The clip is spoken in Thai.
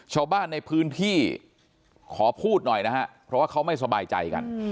ชาวบ้านในพื้นที่ขอพูดหน่อยนะฮะเพราะว่าเขาไม่สบายใจกัน